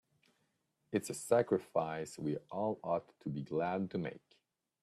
It's a sacrifice we all ought to be glad to make.